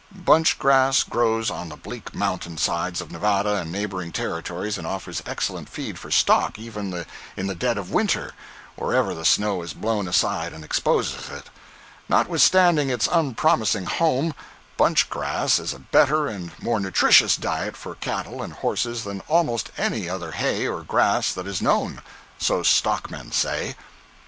—["Bunch grass" grows on the bleak mountain sides of Nevada and neighboring territories, and offers excellent feed for stock, even in the dead of winter, wherever the snow is blown aside and exposes it; notwithstanding its unpromising home, bunch grass is a better and more nutritious diet for cattle and horses than almost any other hay or grass that is known—so stock men say.